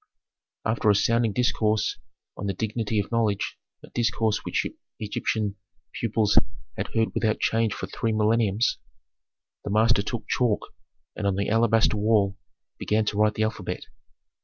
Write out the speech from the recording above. After a sounding discourse on the dignity of knowledge, a discourse which Egyptian pupils had heard without change for three millenniums, the master took chalk and on the alabaster wall began to write the alphabet.